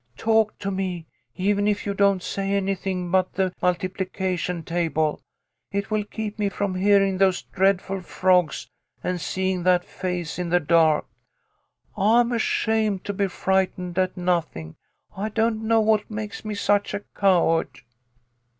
"Talk to me, even if you don't say anything but the multipli cation table. It will keep me from hearin' those A TIME FOR PATIENCE. 6$ dreadful frogs, and seein' that face in the dark. I'm ashamed to be frightened at nothing. I don't know what makes me such a coward."